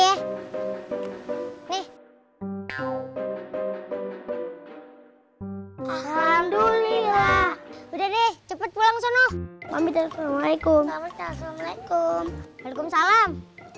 alhamdulillah udah deh cepet pulang sono mami terserah waalaikum salam